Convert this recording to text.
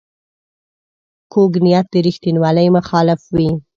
کوږ نیت د ریښتینولۍ مخالف وي